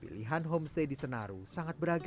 pilihan homestay di senaru sangat beragam